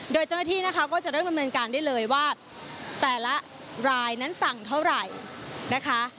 โดยเจ้าหน้าที่นะคะก็จะเริ่มดำเนินการได้เลยว่าแต่ละรายนั้นสั่งเท่าไหร่นะคะ